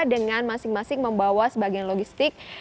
dengan masing masing membawa sebagian logistik